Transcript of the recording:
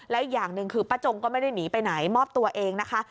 และอีกอย่างหนึ่งคือป้าจงก็ไม่ได้หนีไปไหนมอบตัวเองนะคะ